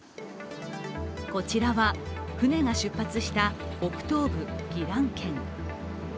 こちらは船が出発した北東部・宜蘭県。